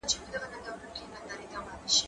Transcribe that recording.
زه بايد بوټونه پاک کړم؟